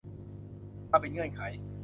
มาเป็นเงื่อนไข